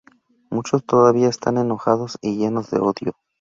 Muchos todavía están enojados y llenos de odio.